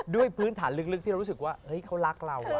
ด้วยพื้นฐานลึกที่เรารู้สึกว่าเขารักเรา